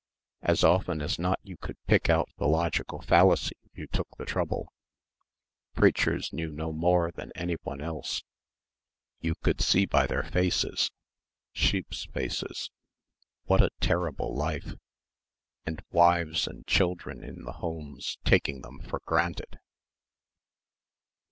As often as not you could pick out the logical fallacy if you took the trouble.... Preachers knew no more than anyone else ... you could see by their faces ... sheeps' faces.... What a terrible life ... and wives and children in the homes taking them for granted....